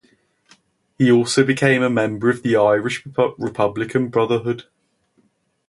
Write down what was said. He also became a member of the Irish Republican Brotherhood.